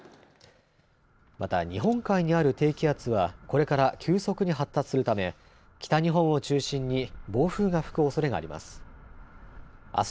また日本海にある低気圧はこれから急速に発達するため北日本を中心に暴風が吹くおそれがあります。